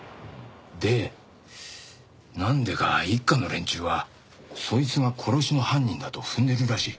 でなんでか一課の連中はそいつが殺しの犯人だと踏んでるらしい。